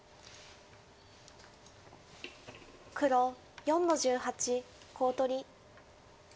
黒４の十八コウ取り。